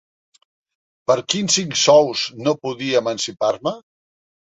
Per quins cinc sous no podia emancipar-me!